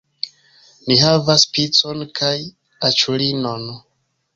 Ni havas picon kaj aĉulinon